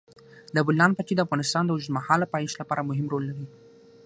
د بولان پټي د افغانستان د اوږدمهاله پایښت لپاره مهم رول لري.